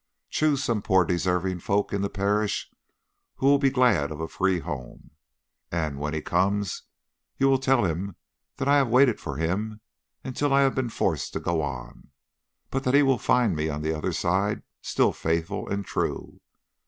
"Choose some poor deserving folk in the parish who will be glad of a home free. And when he comes you will tell him that I have waited for him until I have been forced to go on, but that he will find me on the other side still faithful and true.